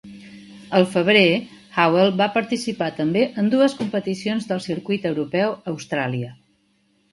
Al febrer, Howell va participar també en dues competicions del Circuit Europeu a Austràlia.